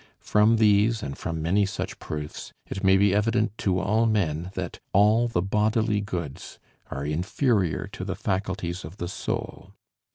From these, and from many such proofs, it may be evident to all men that all the bodily goods are inferior to the faculties of the soul.